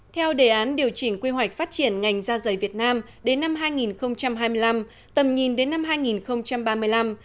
theo đề án điều chỉnh quy hoạch phát triển ngành da dày việt nam đến năm hai nghìn hai mươi năm tầm nhìn đến năm hai nghìn ba mươi năm